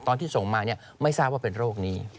ตอนที่ส่งมาไม่ทราบว่าเป็นโรคนี้